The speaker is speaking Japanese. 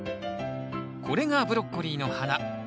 これがブロッコリーの花。